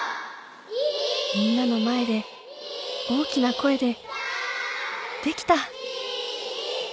みんなの前で大きな声でできた！